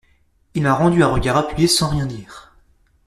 Il m’a rendu un regard appuyé sans rien dire.